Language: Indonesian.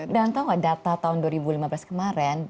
dan tahu gak data tahun dua ribu lima belas kemarin